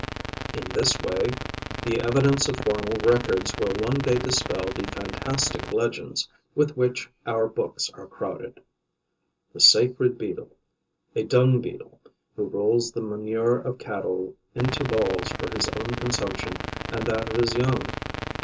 In this way, the evidence of formal records will one day dispel the fantastic legends with which our books are crowded: the Sacred Beetle (A Dung beetle who rolls the manure of cattle into balls for his own consumption and that of his young.